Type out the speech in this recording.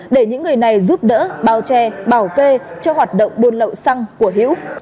để những người này giúp đỡ bao che bảo kê cho hoạt động buôn lộ xăng của hữu